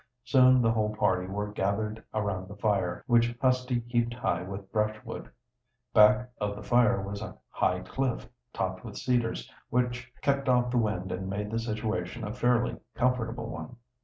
Soon the whole party were gathered around the fire, which Husty heaped high with brushwood. Back of the fire was a high cliff, topped with cedars, which kept off the wind and made the situation a fairly comfortable one.